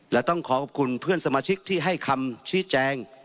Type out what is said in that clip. และต้องขอขอบคุณเพื่อนสมาชิกที่ให้คำชี้แจง